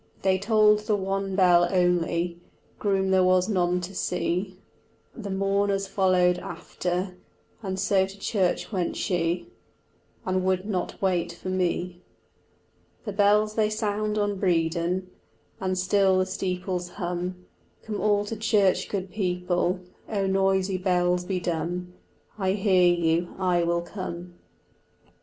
They tolled the one bell only, Groom there was none to see, The mourners followed after, And so to church went she, And would not wait for me. The bells they sound on Bredon, And still the steeples hum. "Come all to church, good people," Oh, noisy bells, be dumb; I hear you, I will come.